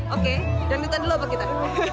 oke dan kita dulu apa kita